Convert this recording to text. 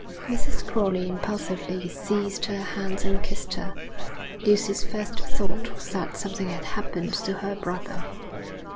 Mrs. Crowley impulsively seized her hands and kissed her. Lucy's first thought was that something had happened to her brother.